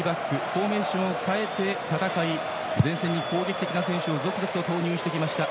フォーメーションを変えて戦い前線に攻撃的な選手を続々と投入してきました。